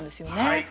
はい。